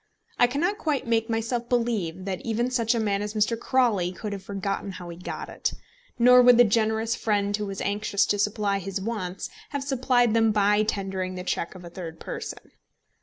I cannot quite make myself believe that even such a man as Mr. Crawley could have forgotten how he got it; nor would the generous friend who was anxious to supply his wants have supplied them by tendering the cheque of a third person.